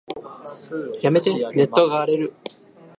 やめて、ネットが荒れる。